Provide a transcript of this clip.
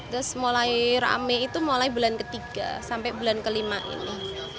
terus mulai rame itu mulai bulan ketiga sampai bulan kelima ini